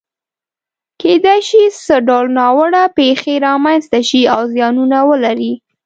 کېدای شي څه ډول ناوړه پېښې رامنځته شي او زیانونه ولري؟